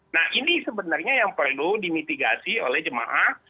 nah ini sebenarnya yang perlu dimitigasi oleh jemaah